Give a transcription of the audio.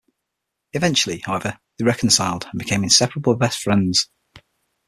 Eventually, however, they reconciled and became inseparable best friends.